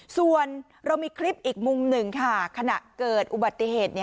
ส่วนเรามีคลิปอีกมุมหนึ่งค่ะขณะเกิดอุบัติเหตุ